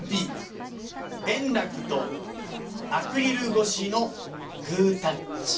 円楽とアクリル越しのグータッチ。